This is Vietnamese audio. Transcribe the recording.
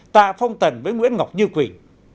tạ phong tần với nguyễn ngọc như quỳnh